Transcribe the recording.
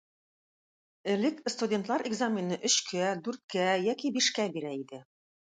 Элек студентлар экзаменны өчкә, дүрткә яки бишкә бирә иде.